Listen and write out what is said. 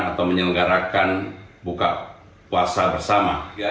atau menyelenggarakan buka puasa bersama